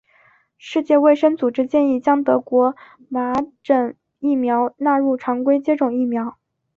世界卫生组织建议将德国麻疹疫苗纳入常规接种疫苗。